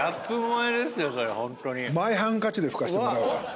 マイハンカチで拭かせてもらうわ。